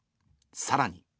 さらに。